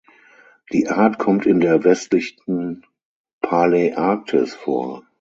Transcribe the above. Die Art kommt in der westlichen Paläarktis vor.